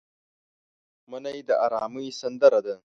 منی د ارامۍ سندره ده